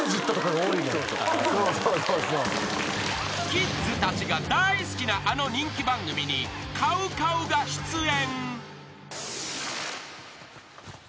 ［キッズたちが大好きなあの人気番組にＣＯＷＣＯＷが出演］